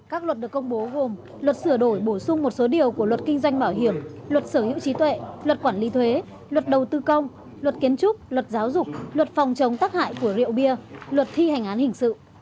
các luật được công bố gồm luật sửa đổi bổ sung một số điều của luật kinh doanh bảo hiểm luật sở hữu trí tuệ luật quản lý thuế luật đầu tư công luật kiến trúc luật giáo dục luật phòng chống tắc hại của rượu bia luật thi hành án hình sự